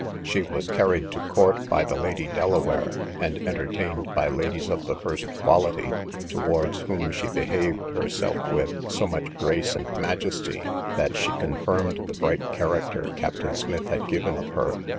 She was carried to court by the Lady Delaware, and entertained by ladies of the first quality, towards whom she behaved herself with so much grace and majesty, that she confirmed the bright character Captain Smith had given of her.